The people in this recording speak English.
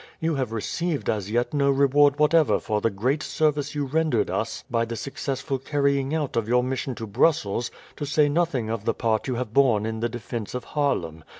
You have received as yet no reward whatever for the great service you rendered us by the successful carrying out of your mission to Brussels, to say nothing of the part you have borne in the defence of Haarlem.